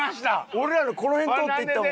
俺らのこの辺通っていったもん。